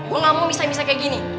gue gak mau misah misah kayak gini